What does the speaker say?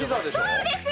そうです！